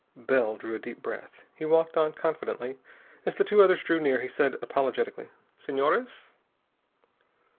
Bell drew a deep breath. He walked on, confidently. As the two others drew near he said apologetically: "Senhores."